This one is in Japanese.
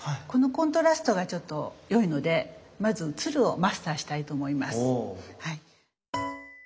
このコントラストがちょっと良いのでまず鶴をマスターしたいと思います。